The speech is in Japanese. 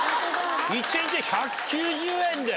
１日１９０円で。